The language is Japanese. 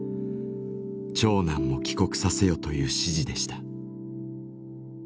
「長男も帰国させよ」という指示でした。